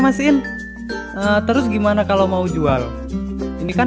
masih terus gimana kalau mau jual ini kan imon punya ayam hai kebetulan emang lagi butuh dua lima cases